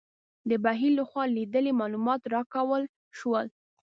د بهیر لخوا لیدلي معلومات راکول شول.